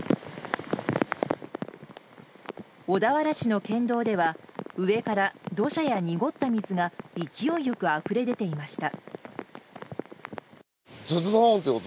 小田原市の県道では上から土砂や濁った水が勢いよくあふれ出ていました。